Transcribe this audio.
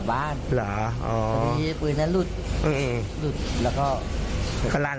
มันหลุดเองมันหลุดเองใช่ไหมโอเคครับ